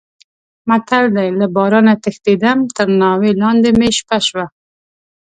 متل دی: له بارانه تښتېدم تر ناوې لانې مې شپه شوه.